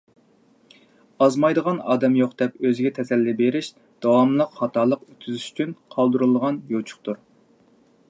ئازمايدىغان ئادەم يوق دەپ ئۆزىگە تەسەللى بېرىش — داۋاملىق خاتالىق ئۆتكۈزۈش ئۈچۈن قالدۇرۇلغان يوچۇقتۇر.